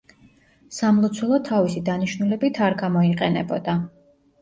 სამლოცველო თავისი დანიშნულებით არ გამოიყენებოდა.